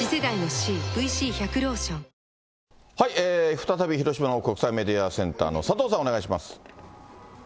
再び広島の国際メディアセンターの佐藤さん、お願いします。